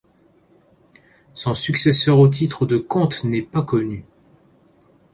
Son successeur au titre de comte n'est pas connu.